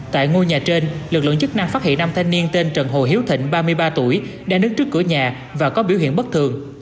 tại ngôi nhà trên lực lượng chức năng phát hiện năm thanh niên tên trần hồ hiếu thịnh ba mươi ba tuổi đang đứng trước cửa nhà và có biểu hiện bất thường